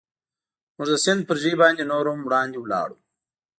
موږ د سیند پر ژۍ باندې نور هم وړاندې ولاړو.